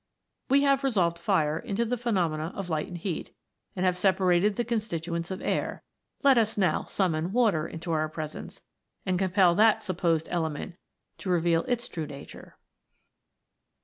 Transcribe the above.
We have resolved Fire into the phenomena of light and heat, and have separated the constituents of Air ; let us now summon Water into our pre sence, and compel that supposed element to reveal its true nature.